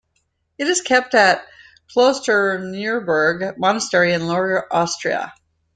It is kept at Klosterneuburg Monastery in Lower Austria.